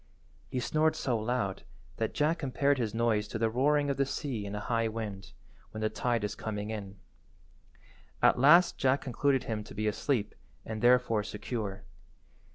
He snored so loud that Jack compared his noise to the roaring of the sea in a high wind, when the tide is coming in. At last Jack concluded him to be asleep and therefore secure.